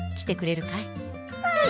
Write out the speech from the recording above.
うん！